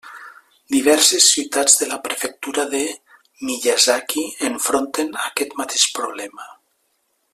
Diverses ciutats de la Prefectura de Miyazaki enfronten aquest mateix problema.